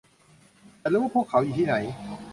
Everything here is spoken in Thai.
ฉันรู้ว่าพวกเขาอยู่ที่ไหน